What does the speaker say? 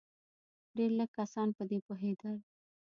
ډېر لږ کسان په دې پوهېدل.